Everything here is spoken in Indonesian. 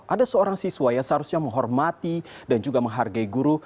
ada seorang siswa yang seharusnya menghormati dan juga menghargai guru